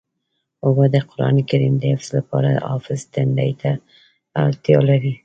اوبه د قرآن کریم د حفظ لپاره حافظ تندې ته اړتیا لري.